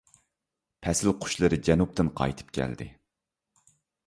پەسىل قۇشلىرى جەنۇبتىن قايتىپ كەلدى.